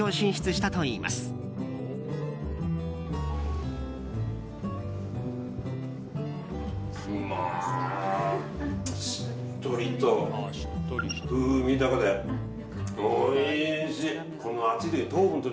しっとりと。